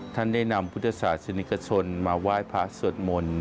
ท่านได้นำพุทธศาสนิกชนมาไหว้พระสวดมนต์